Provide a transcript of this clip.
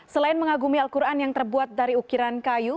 selain mengagumi al quran yang terbuat dari ukiran kayu